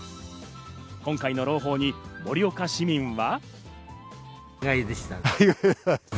今回の朗報に盛岡市民は。